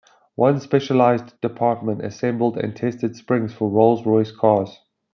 One specialised department assembled and tested springs for Rolls-Royce cars.